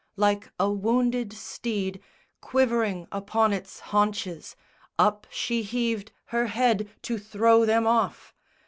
Like a wounded steed Quivering upon its haunches, up she heaved Her head to throw them off.